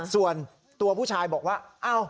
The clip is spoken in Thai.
ส่วนตัวผู้ชายบอกว่า